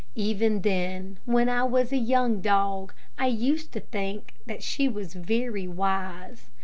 Even then, when I was a young dog, I used to think that she was very wise.